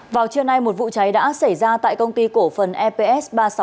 vào trưa nay một vụ cháy đã xảy ra tại công ty cổ phần eps ba trăm sáu mươi